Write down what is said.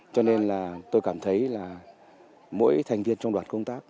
cho nên là tôi cảm thấy là mỗi thành viên trong đoàn công tác